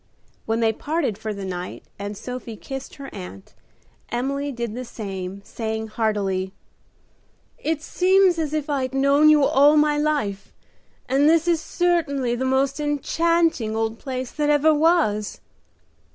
When they parted for the night and Sophie kissed her aunt, Emily did the same, saying heartily, "It seems as if I'd known you all my life, and this is certainly the most enchanting old place that ever was."